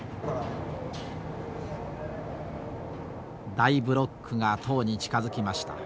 大ブロックが塔に近づきました。